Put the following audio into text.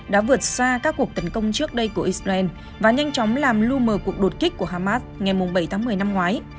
đã vượt xa các cuộc tấn công trước đây của israel và nhanh chóng làm lưu mờ cuộc đột kích của hamas ngày bảy tháng một mươi năm ngoái